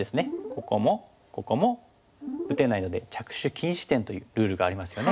ここもここも打てないので着手禁止点というルールがありますよね。